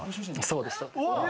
そうです。